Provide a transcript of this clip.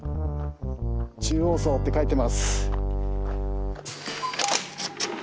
中央荘って書いてます。